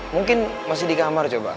mungkin masih dikamar coba